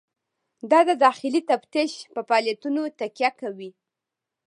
دا د داخلي تفتیش په فعالیتونو تکیه کوي.